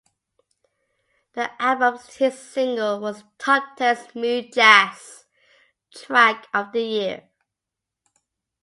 The albums hit single was a top ten Smooth Jazz track of the year.